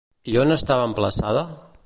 I on estava emplaçada?